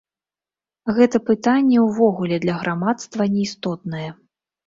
Гэта пытанне, увогуле, для грамадства не істотнае.